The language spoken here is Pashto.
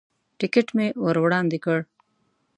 ټکټ مې ور وړاندې کړ.